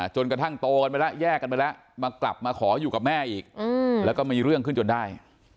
จนกระทั่งโตกันไปแล้วแยกกันไปแล้วมากลับมาขออยู่กับแม่อีกแล้วก็มีเรื่องขึ้นจนได้